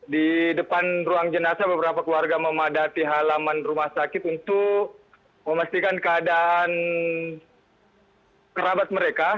di depan ruang jenazah beberapa keluarga memadati halaman rumah sakit untuk memastikan keadaan kerabat mereka